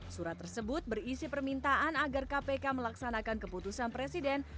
surat tersebut berisi permintaan agar kpk melaksanakan keputusan presiden